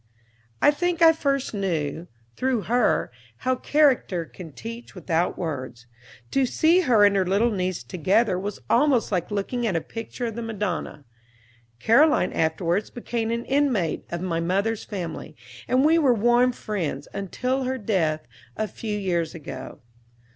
I think I first knew, through her, how character can teach, without words. To see her and her little niece together was almost like looking at a picture of the Madonna. Caroline afterwards became an inmate of my mother's family, and we were warm friends until her death a few years ago.